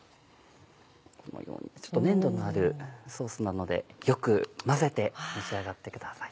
このようにちょっと粘度のあるソースなのでよく混ぜて召し上がってください。